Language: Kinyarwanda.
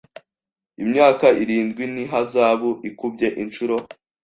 imyaka irindwi n ihazabu ikubye inshuro